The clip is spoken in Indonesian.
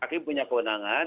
hakim punya kewenangan